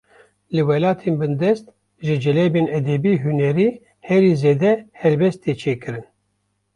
Li welatên bindest, ji celebên edebî-hunerî herî zêde helbest tê çêkirin